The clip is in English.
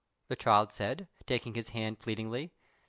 the child said, taking his hand pleadingly.